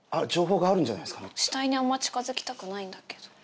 死体にあんま近づきたくないんだけど。